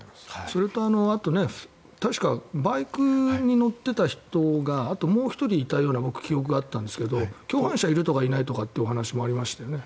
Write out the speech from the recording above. それとバイクに乗っていた人があともう１人いたような記憶があったんですけど共犯者がいるとかいないとかってお話もありましたよね？